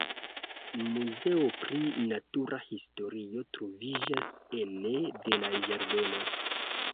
Muzeo pri natura historio troviĝas ene de la ĝardeno.